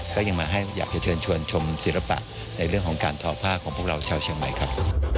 มาอย่างฝึกจะชวนชมในเรื่องของขาร์มทอพาของชาวเชียงใหม่